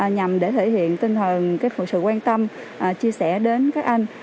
nhằm để thể hiện tinh thần sự quan tâm chia sẻ đến các anh